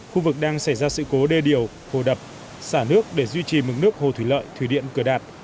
khu vực đang xảy ra sự cố đê điều hồ đập xả nước để duy trì mức nước hồ thủy lợi thủy điện cửa đạt